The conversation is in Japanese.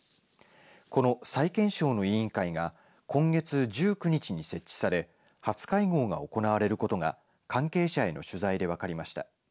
この再検証の委員会が今月１９日に設置され初会合が行われることが関係者への取材で分かりました。